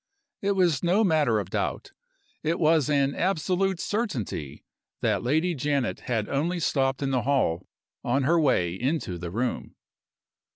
It was no matter of doubt; it was an absolute certainty that Lady Janet had only stopped in the hall on her way into the room.